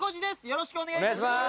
よろしくお願いします